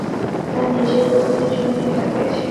তাঁর নিজের বোকামির জন্যে এটা হয়েছে।